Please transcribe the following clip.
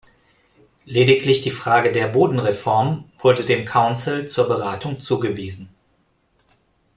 Lediglich die Frage der Bodenreform wurde dem Council zur Beratung zugewiesen.